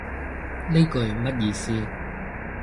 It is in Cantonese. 呢句乜意思